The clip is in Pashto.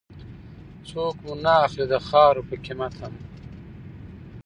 څوک مو نه اخلي د خاورو په قيمت هم